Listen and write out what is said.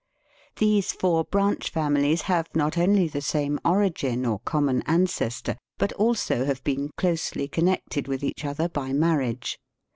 These four branch families have not only the same origin or common ancestor, but also have been closely connected with each other by mar riage.